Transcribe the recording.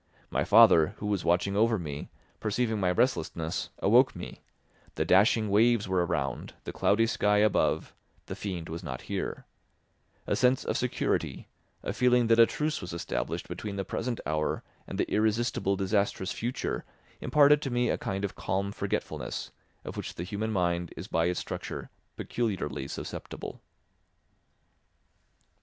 My father, who was watching over me, perceiving my restlessness, awoke me; the dashing waves were around, the cloudy sky above, the fiend was not here: a sense of security, a feeling that a truce was established between the present hour and the irresistible, disastrous future imparted to me a kind of calm forgetfulness, of which the human mind is by its structure peculiarly susceptible.